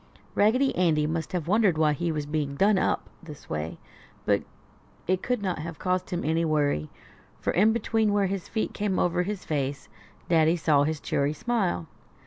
Raggedy Andy must have wondered why he was being "done up" this way, but it could not have caused him any worry, for in between where his feet came over his face Daddy saw his cheery smile.